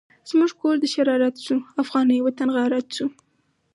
زمونږ کور دشرارت شو، افغانی وطن غارت شو